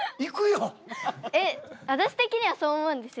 私的にはそう思うんですよ。